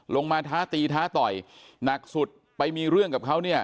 ลงมาท้าตีท้าต่อยหนักสุดไปมีเรื่องกับเขา